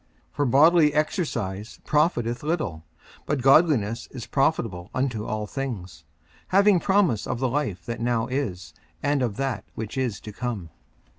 54:004:008 For bodily exercise profiteth little: but godliness is profitable unto all things, having promise of the life that now is, and of that which is to come.